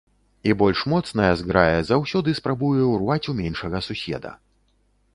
І больш моцная зграя заўсёды спрабуе ўрваць у меншага суседа.